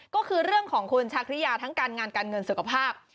ก็คือเรื่องของคุณชาคริยาทั้งการงานการเงินสุขภาพ